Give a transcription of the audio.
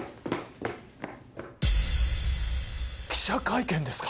記者会見ですか？